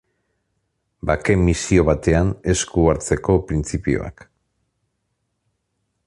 Bake-misio batean esku hartzeko printzipioak.